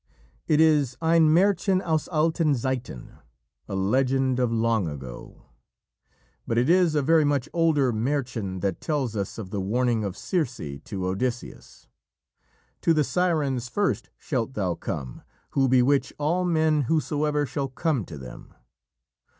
It is "ein Märchen aus alten Zeiten" a legend of long ago. But it is a very much older Märchen that tells us of the warning of Circe to Odysseus: "To the Sirens first shalt thou come, who bewitch all men, whosoever shall come to them.